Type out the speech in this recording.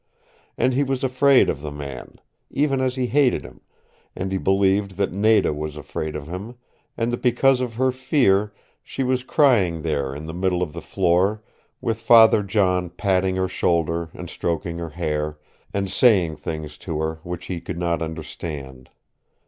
And he was afraid of the man, even as he hated him, and he believed that Nada was afraid of him, and that because of her fear she was crying there in the middle of the floor, with Father John patting her shoulder and stroking her hair, and saying things to her which he could not understand.